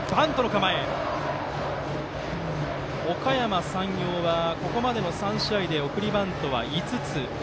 おかやま山陽はここまでの３試合で送りバントは５つ。